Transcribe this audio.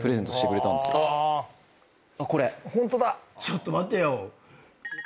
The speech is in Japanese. ちょっと待てよ。